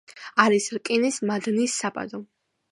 არის რკინის მადნის საბადო.